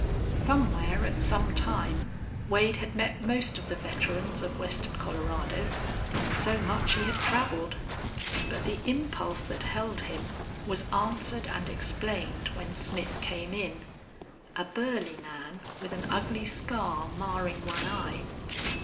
Somewhere, at some time, Wade had met most of the veterans of western Colorado. So much he had traveled! But the impulse that held him was answered and explained when Smith came in a burly man, with an ugly scar marring one eye.